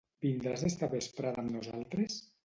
Vindràs esta vesprada amb nosaltres?